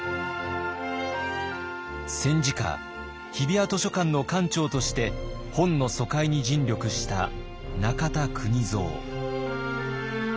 戦時下日比谷図書館の館長として本の疎開に尽力した中田邦造。